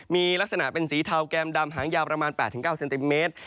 มีลักษณะเป็นสีเทาแก้มดำหางยาวประมาณ๘๙เซนติเมตร